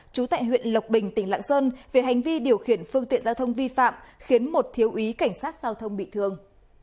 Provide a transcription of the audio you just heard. trú tại huyện lộc bình tỉnh lạng sơn về hành vi điều khiển phương tiện giao thông vi phạm khiến một thiếu ý cảnh sát giao thông bị thương